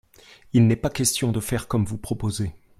Il n'est pas question de faire comme vous proposez.